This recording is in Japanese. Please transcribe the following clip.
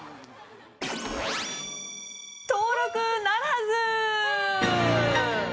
登録ならず！